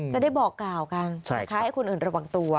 จะได้บอกกล่าวกันนะคะให้คนอื่นระวังตัว